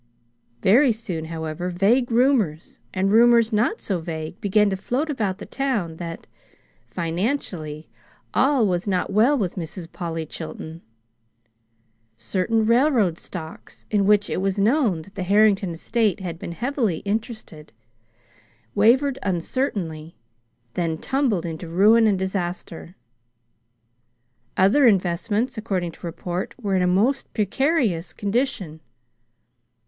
Very soon, however, vague rumors, and rumors not so vague, began to float through the town that, financially, all was not well with Mrs. Polly Chilton. Certain railroad stocks, in which it was known that the Harrington estate had been heavily interested, wavered uncertainly, then tumbled into ruin and disaster. Other investments, according to report, were in a most precarious condition.